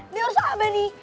nggak usah abah nih